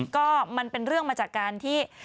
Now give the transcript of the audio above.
ก็มันเป็นเรื่องมาจากการที่